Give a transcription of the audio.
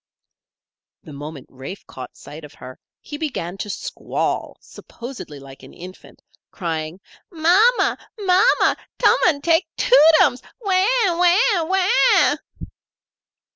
The moment Rafe caught sight of her he began to squall, supposedly like an infant, crying: "Ma ma! Ma ma! Tum an' take Too tums. Waw! Waw! Waw!"